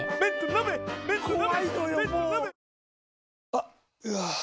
あっ、うわー。